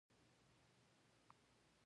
حیثیتي تاوان په خاطر مناسب غرامت ورکړي